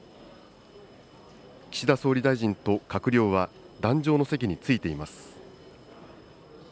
岸田総理大臣と閣僚は、壇上の席に着いています。